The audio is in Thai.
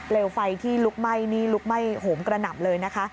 เร็วไฟที่ลุกไหม้ลุกไหม้โหมกระหนับเลยนะคะ